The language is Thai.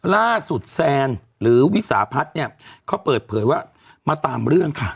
แซนหรือวิสาพัฒน์เนี่ยเขาเปิดเผยว่ามาตามเรื่องค่ะ